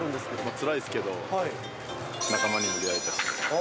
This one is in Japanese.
つらいですけど、仲間にも出会えたし。